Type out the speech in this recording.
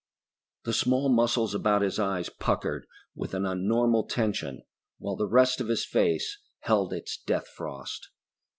The small muscles about his eyes puckered with an unnormal tension while the rest of his face held its death frost.